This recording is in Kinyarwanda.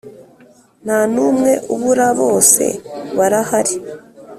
Nta numwe ubura bose barahari